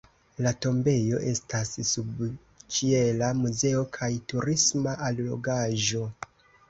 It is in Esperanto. La tombejo estas subĉiela muzeo kaj turisma allogaĵo.